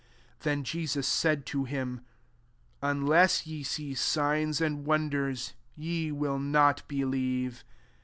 48 Then Jesus said to him, Unless ye see signs and won* ders, ye will not believe."